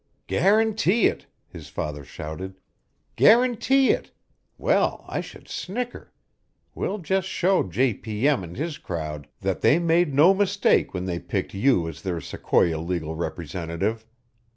"Guarantee it!" his father shouted. "Guarantee it! Well, I should snicker! We'll just show J. P. M. and his crowd that they made no mistake when they picked you as their Sequoia legal representative.